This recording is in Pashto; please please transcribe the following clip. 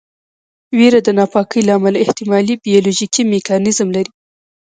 ویره د ناپاکۍ له امله احتمالي بیولوژیکي میکانیزم لري.